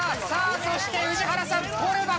さあそして宇治原さん。